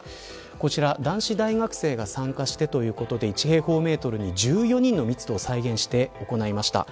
こちら、男子大学生が参加してということで１平方メートルに１４人の密度を再現しました。